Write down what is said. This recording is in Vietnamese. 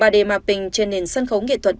ba d mapping trên nền sân khấu nghệ thuật